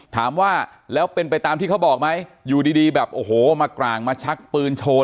ถามว่าแล้วเป็นไปตามที่เขาบอกไหมอยู่ดีแบบโอ้โหมากร่างมาชักปืนโชว์